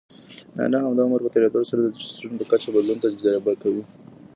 نارینه هم د عمر په تېریدو د ټیسټسټرون په کچه بدلون تجربه کوي.